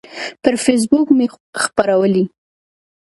پر فیسبوک مې خپرولی